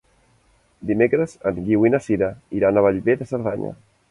Dimecres en Guiu i na Sira iran a Bellver de Cerdanya.